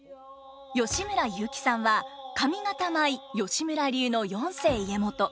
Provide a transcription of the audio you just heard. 吉村雄輝さんは上方舞吉村流の四世家元。